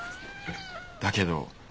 だけど。